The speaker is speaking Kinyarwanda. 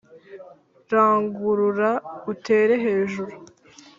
rangurura utere hejuru